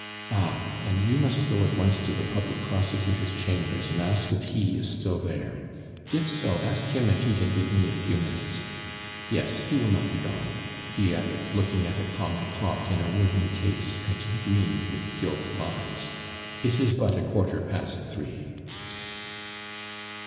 Ah! and you must go at once to the public prosecutor's chambers and ask if he is still there; if so, ask him if he can give me a few minutes. Yes; he will not be gone," he added, looking at a common clock in a wooden case painted green with gilt lines. "It is but a quarter past three."